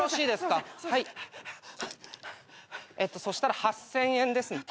そしたら８，０００円です。